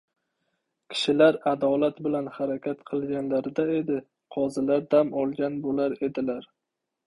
• Kishilar adolat bilan harakat qilganlarida edi, qozilar dam olgan bo‘lar edilar.